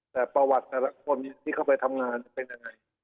แต่ประวัติแต่ละคนที่เข้าไปทำงานเป็นยังไง